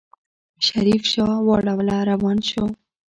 شريف شا واړوله روان شو.